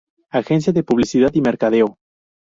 Agencia de Publicidad y mercadeo.